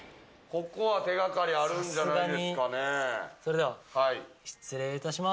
ここは手掛かりあるんじゃないですかね。